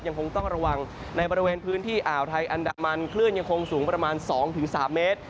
ยังคงต้องระวังในบริเวณพื้นที่อ่าวไทยอันดามันคลื่นยังคงสูงประมาณ๒๓เมตร